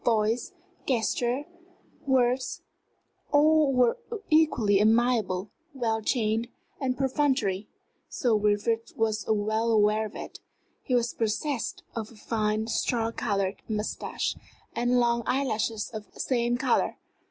Voice, gesture, words all were equally amiable, well trained, and perfunctory Sir Wilfrid was well aware of it. He was possessed of a fine, straw colored mustache, and long eyelashes of the same color.